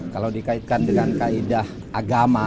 kalau dikaitkan dengan kaedah agama